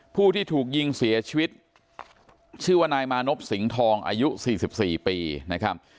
ผู้ที่ถูกยิงเสียชีวิตชื่อว่านายมานพสิงห์ทองอายุ๔๔ปีนะครับ